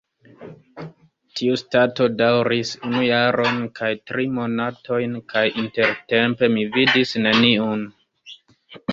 Tiustato daŭris unu jaron kaj tri monatojn, kaj intertempe mi vidis neniun.